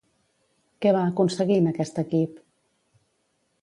Que va aconseguir en aquest equip?